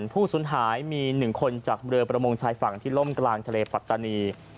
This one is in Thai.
ผู้สูญหายมี๑คนจากเรือประมงชายฝั่งที่ล่มกลางทะเลปัตตานี